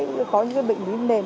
với những bệnh lý nền